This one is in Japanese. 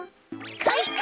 かいか！